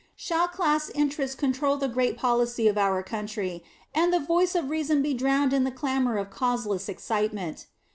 Shall class interests control the great policy of our country, and the voice of reason be drowned in the clamor of causeless excitement?